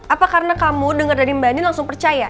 apa karena kamu denger dari mbak andin langsung percaya